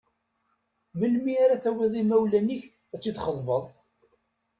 Melmi ara tawiḍ imawlan-ik ad tt-id-txeḍbeḍ?